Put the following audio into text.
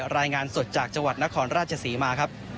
รายงานสดจากจังหวัดนครราชศรีมาครับ